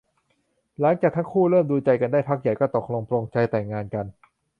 หลังจากที่ทั้งคู่เริ่มดูใจกันได้พักใหญ่ ก็ตกลงปลงใจแต่งงานกัน